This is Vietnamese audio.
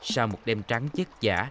sau một đêm trắng chất giả